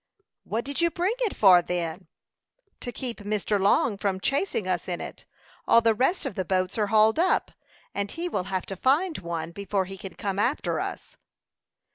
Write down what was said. "What did you bring it for, then?" "To keep Mr. Long from chasing us in it. All the rest of the boats are hauled up, and he will have to find one before he can come after us."